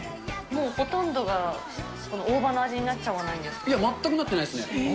もうほとんどが大葉の味にないや、全くなってないですね。